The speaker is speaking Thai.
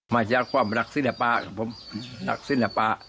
มาจากความรักษณะปลาของผมรักษณะปลา